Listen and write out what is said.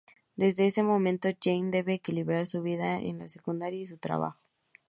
Desde ese momento, Jane debe equilibrar su vida en la secundaria y su trabajo.